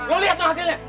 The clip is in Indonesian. lo lihat tuh hasilnya